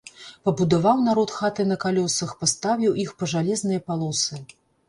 Пабудаваў народ хаты на калёсах, паставіў іх па жалезныя палосы.